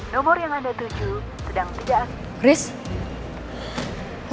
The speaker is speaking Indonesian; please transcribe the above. nomor yang anda tujuh sedang tiga